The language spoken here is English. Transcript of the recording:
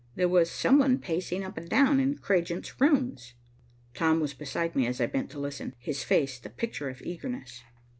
There was some one pacing up and down in Cragent's rooms. Tom was beside me as I bent to listen, his face the picture of eagerness.